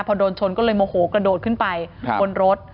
พอโดนชนก็เลยโมโหกระโดดขึ้นไปบนรถ